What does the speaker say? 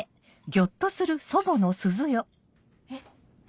えっ何？